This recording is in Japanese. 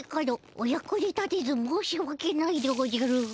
お役に立てず申しわけないでおじゃる。